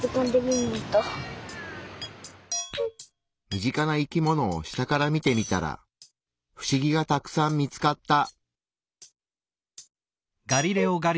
身近な生き物を下から見てみたらフシギがたくさん見つかった。